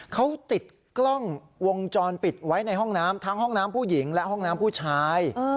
เขาติดกล้องวงจรปิดไว้ในห้องน้ำทั้งห้องน้ำผู้หญิงและห้องน้ำผู้ชาย